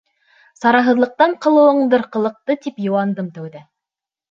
Сараһыҙлыҡтан ҡылыуыңдыр ҡылыҡты, тип йыуандым тәүҙә.